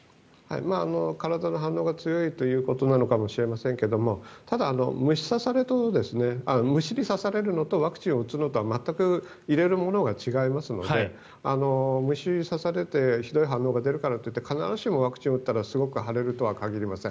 体の反応が強いということかもしれませんがただ、虫に刺されるのとワクチンを打つのとは入れるものが違いますので虫に刺されてひどい反応が出るからといって必ずしもワクチンを打ったらすごく腫れるとは限りません。